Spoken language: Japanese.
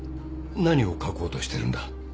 何を書こうとしてるんだ？